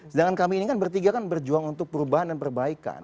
sedangkan kami ini kan bertiga kan berjuang untuk perubahan dan perbaikan